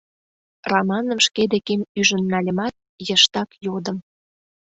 Раманым шке декем ӱжын нальымат, йыштак йодым: